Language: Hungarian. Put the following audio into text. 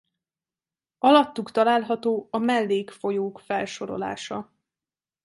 Alattuk található a mellékfolyók felsorolása.